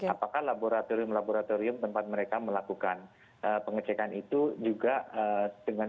apakah laboratorium laboratorium tempat mereka melakukan pengecekan itu juga dengan